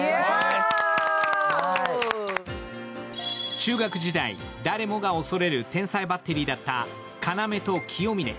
中学時代、誰もが恐れる天才バッテリーだった要と清峰。